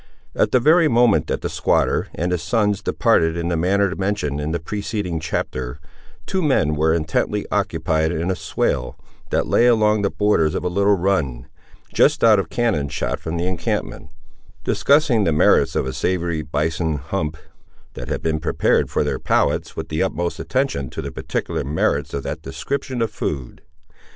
At the very moment that the squatter and his sons departed in the manner mentioned in the preceding chapter, two men were intently occupied in a swale that lay along the borders of a little run, just out of cannon shot from the encampment, discussing the merits of a savoury bison's hump, that had been prepared for their palates with the utmost attention to the particular merits of that description of food.